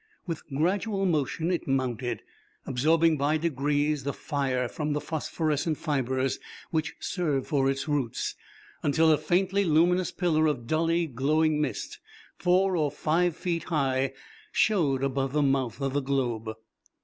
With gradual motion it mounted, absorbing by degrees the fire from the phosphorescent fibres which served for its roots, until a faintly luminous pillar of dully glowing mist four or five feet high showed above the mouth of the globe.